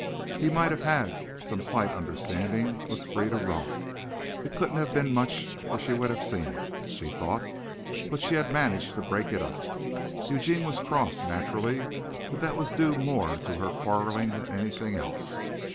He might have had some slight understanding with Frieda Roth it couldn't have been much or she would have seen it, she thought but she had managed to break it up. Eugene was cross, naturally, but that was due more to her quarreling than anything else.